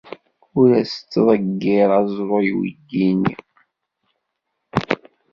Ur as-ttḍeggir aẓru i weydi-nni.